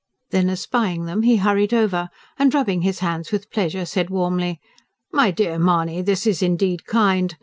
Then espying them, he hurried over, and rubbing his hands with pleasure said warmly: "My dear Mahony, this is indeed kind!